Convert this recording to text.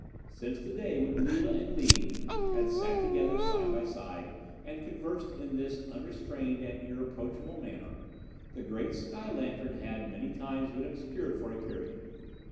"Since the day when Lila and Lee had sat together side by side, and conversed in this unrestrained and irreproachable manner, the great sky lantern had many times been obscured for a period.